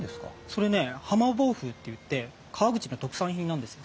それね「ハマボウフウ」っていって川口の特産品なんですよ。